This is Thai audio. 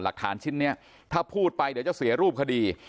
หลักฐานชิ้นนี้ถ้าพูดไปเดี๋ยวจะเสียรูปคดี